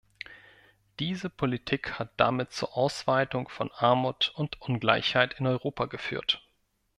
Diese Politik hat damit zur Ausweitung von Armut und Ungleichheit in Europa geführt.